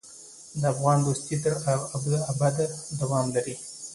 د افغان دوستي تر ابده دوام لري.